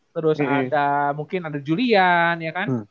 terus ada mungkin ada julian ya kan